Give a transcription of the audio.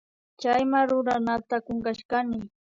Chayma ruranataka kunkashkani